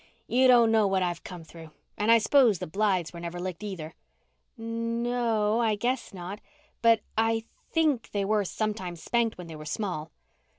"You don't know what I've come through. And I s'pose the Blythes were never licked either?" "No o o, I guess not. But I think they were sometimes spanked when they were small."